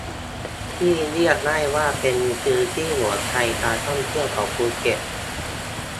ที่เรียกได้ว่าเป็นพื้นที่หัวใจการท่องเที่ยวของภูเก็ต